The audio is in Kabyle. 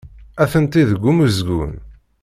Atenti deg umezgun.